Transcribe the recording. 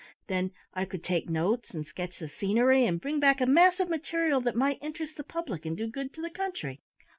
Then I could take notes, and sketch the scenery, and bring back a mass of material that might interest the public, and do good to the country."